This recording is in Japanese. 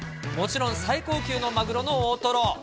もちろん最高級のマグロの大トロ。